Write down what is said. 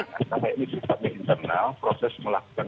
karena ini sifatnya internal proses melakukan